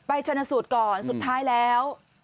ชนะสูตรก่อนสุดท้ายแล้ว